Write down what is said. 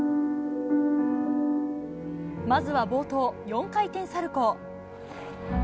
まずは冒頭、４回転サルコー。